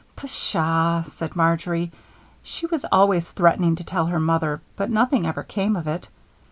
"Pshaw!" said Marjory. "She was always threatening to tell her mother, but nothing ever came of it.